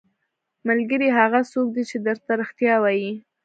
ملګری هغه څوک دی چې درته رښتیا وايي.